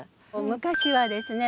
昔はですね